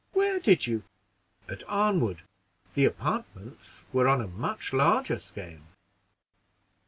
"Where did you?" "At Arnwood; the apartments were on a much larger scale."